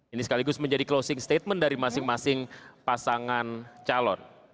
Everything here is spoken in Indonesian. ini sekaligus menjadi closing statement dari masing masing pasangan calon